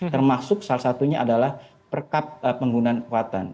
termasuk salah satunya adalah perkab penggunaan kekuatan